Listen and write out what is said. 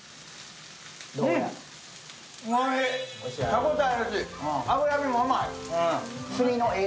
歯応えあるし、脂身も甘い。